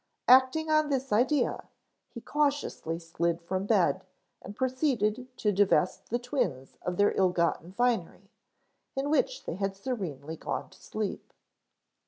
Acting on this idea, he cautiously slid from bed and proceeded to divest the twins of their ill gotten finery, in which they had serenely gone to sleep.